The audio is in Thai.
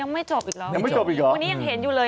วันนี้ยังเห็นอยู่เลย